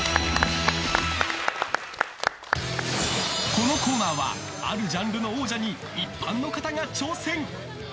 このコーナーはあるジャンルの王者に一般の方が挑戦。